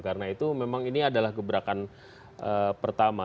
karena itu memang ini adalah gebrakan pertama